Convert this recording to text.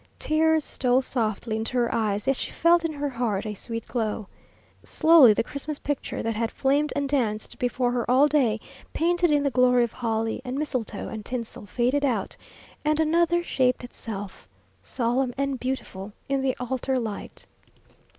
Tears stole softly into her eyes, yet she felt in her heart a sweet glow. Slowly the Christmas picture that had flamed and danced before her all day, painted in the glory of holly and mistletoe and tinsel, faded out, and another shaped itself, solemn and beautiful in the altar light.